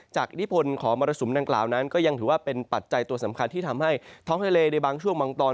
อิทธิพลของมรสุมดังกล่าวนั้นก็ยังถือว่าเป็นปัจจัยตัวสำคัญที่ทำให้ท้องทะเลในบางช่วงบางตอน